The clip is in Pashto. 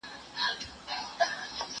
که وخت وي شګه پاکوم